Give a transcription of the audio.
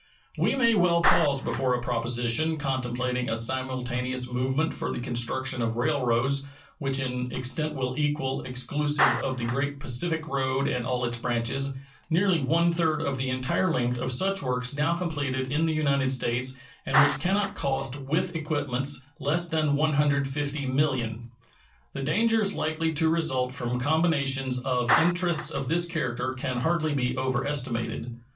We may well pause before a proposition contemplating a simultaneous movement for the construction of railroads which in extent will equal, exclusive of the great Pacific road and all its branches, nearly one third of the entire length of such works now completed in the United States, and which can not cost with equipments less than $150,000,000. The dangers likely to result from combinations of interests of this character can hardly be overestimated.